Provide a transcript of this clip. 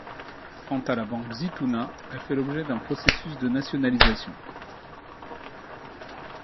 Quant à la Banque Zitouna, elle fait l'objet d'un processus de nationalisation.